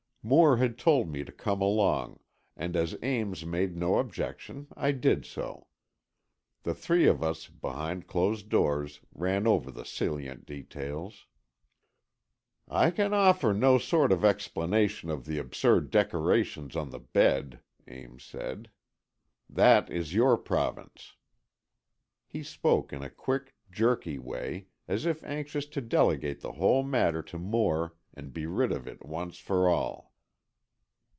Moore had told me to come along, and as Ames made no objection, I did so. The three of us, behind closed doors, ran over the salient details. "I can offer no sort of explanation of the absurd decorations on the bed," Ames said, "that is your province." He spoke in a quick, jerky way, as if anxious to delegate the whole matter to Moore and be rid of it once for all.